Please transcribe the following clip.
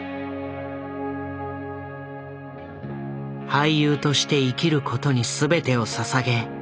俳優として生きることに全てをささげ